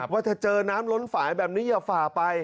ว่าถ้าเจอน้ำล้นฝ่ายแบบนี้อย่าฝ่าไป